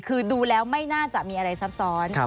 คือดูแล้วไม่น่าจะมีอะไรซับซ้อน